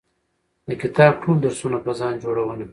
د کتاب ټول درسونه په ځان جوړونه